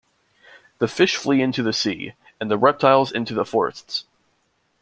The fish flee into the sea, and the reptiles into the forests.